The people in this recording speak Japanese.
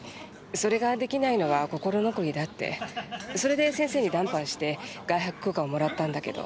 それが出来ないのは心残りだってそれで先生に談判して外泊許可をもらったんだけど。